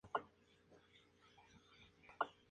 Asaltó buques de la Armada Inglesa y española.